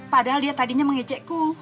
padahal dia tadinya mengejekku